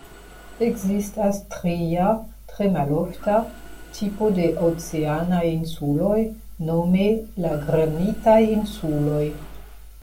Ekzistas tria, tre malofta, tipo de oceanaj insuloj, nome la granitaj insuloj.